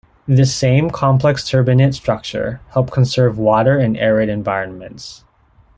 This same complex turbinate structure help conserve water in arid environments.